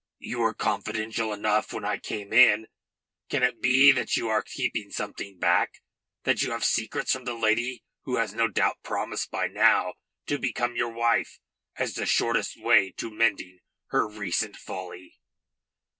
"You were confidential enough when I came in. Can it be that you are keeping something back, that you have secrets from the lady who has no doubt promised by now to become your wife as the shortest way to mending her recent folly?"